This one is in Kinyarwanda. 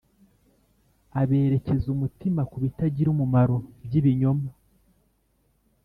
Aberekeza umutima kubitagira umumaro by’ibinyoma